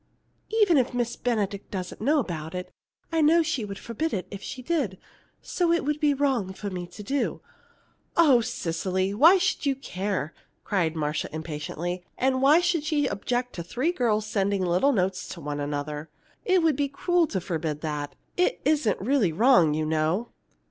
Even if Miss Benedict doesn't know about it, I know she would forbid it if she did. So it would be wrong for me to do it!" "Oh, Cecily! why should you care?" cried Marcia, impatiently, "And why should she object to three girls sending little notes to one another? It would be cruel to forbid that. It isn't really wrong, you know."